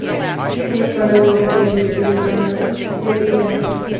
Snake Bite will be driven by Vinny Venom.